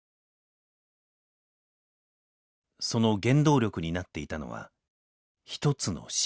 その原動力になっていたのは「一つの死」。